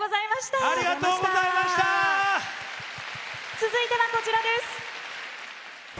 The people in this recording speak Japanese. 続いてはこちらです。